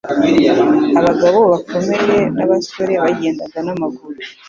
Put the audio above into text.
Abagabo bakomeye n'abasore bagendaga n'amaguru